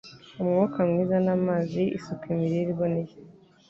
Umwuka mwiza n’amazi, isuku, imirire iboneye,